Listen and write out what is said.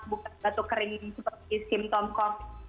bukan batuk kering seperti simptom covid sembilan belas